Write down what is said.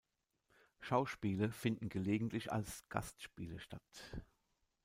Schauspiele finden gelegentlich als Gastspiele statt.